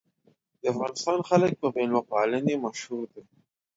د افغانستان خلک په میلمه پالنې مشهور دي.